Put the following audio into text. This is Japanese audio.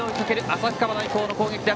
旭川大高の攻撃。